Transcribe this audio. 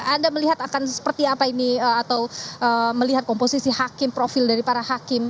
anda melihat akan seperti apa ini atau melihat komposisi hakim profil dari para hakim